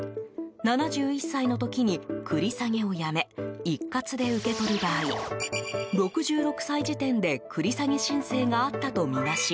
７１歳の時に繰り下げをやめ一括で受け取る場合６６歳時点で繰り下げ申請があったとみなし